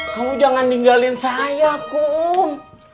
kamu jangan tinggalin saya pum